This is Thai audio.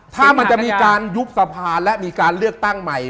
ถ้ามันจะมีการยุบสภาและมีการเลือกตั้งใหม่